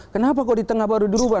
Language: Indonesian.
kenapa kalau di tengah baru berubah